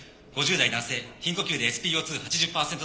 ５０代男性頻呼吸でＳｐＯ２８０％台。